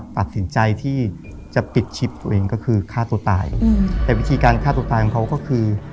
ตัดสินใจที่จะปิดชิปตัวเองก็คือฆ่าตัวตายแต่วิธีการฆ่าตัวตายของเขาก็คือ